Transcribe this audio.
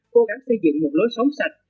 cố gắng xây dựng một lối sống sạch